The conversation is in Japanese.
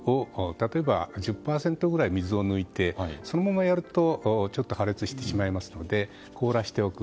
例えば、１０％ぐらい水を抜いて、そのままやると破裂してしまいますので凍らせておく。